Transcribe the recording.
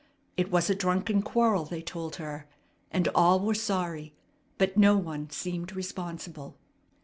It was a drunken quarrel, they told her; and all were sorry, but no one seemed responsible.